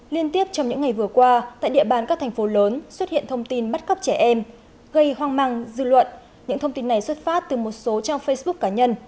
liên tiếp trong những ngày vừa qua tại địa bàn các thành phố lớn xuất hiện thông tin bắt cóc trẻ em gây hoang mang dư luận những thông tin này xuất phát từ một số trang facebook cá nhân